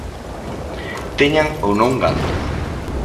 Teñan ou non gando.